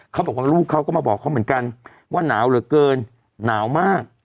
เขาบอกว่าลูกเขาก็มาบอกเขาเหมือนกันว่าหนาวเหลือเกินหนาวมาก